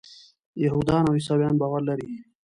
یهودان او عیسویان باور لري.